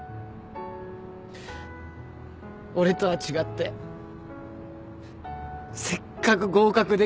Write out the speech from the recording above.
俺とは違ってせっかく合格できたのに。